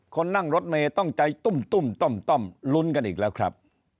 คนนั่งรถเมย์ต้องใจตุ้มต้อมลุ้นกันอีกแล้วครับ